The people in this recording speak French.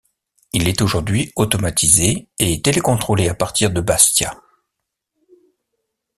Il est aujourd'hui automatisé et télécontrôlé à partir de Bastia.